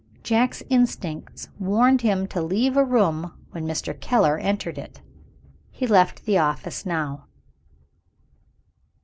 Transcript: Jack's instincts warned him to leave a room when Mr. Keller entered it. He left the office now.